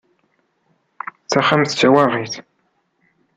Taxxamt d tawaɣit.